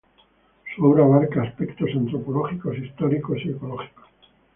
Su obra abarca aspectos antropológicos, históricos y ecológicos.